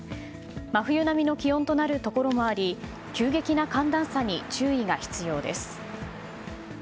真冬並みの気温となるところもあり急激な寒暖差に注意が必要です。